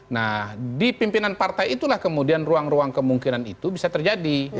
nah di pimpinan partai itulah kemudian ruang ruang kemungkinan itu bisa terjadi